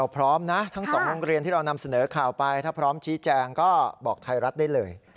โปรดติดตามตอนต่อไป